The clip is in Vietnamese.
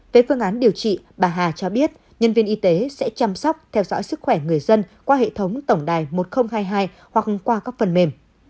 về phương án điều trị bà hà cho biết nhân viên y tế sẽ chăm sóc theo dõi sức khỏe người dân qua hệ thống tổng đài một nghìn hai mươi hai hoặc qua các phần mềm